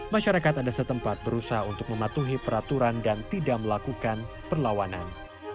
masyarakat ada setempat berusaha untuk mematuhi peraturan dan tidak melakukan perlawanan